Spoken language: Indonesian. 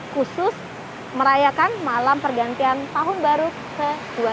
khusus merayakan malam pergantian tahun baru ke dua ribu dua puluh